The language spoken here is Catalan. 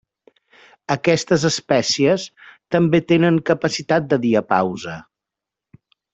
Aquestes espècies també tenen capacitat de diapausa.